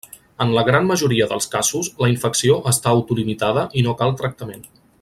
En la gran majoria dels casos la infecció està autolimitada i no cal tractament.